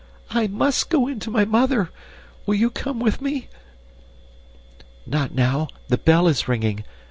"I MUST go in to my mother! Will you come with me?" "Not now, the bell is ringing.